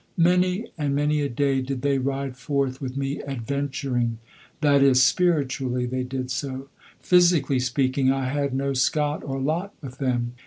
Many and many a day did they ride forth with me adventuring that is, spiritually they did so; physically speaking, I had no scot or lot with them.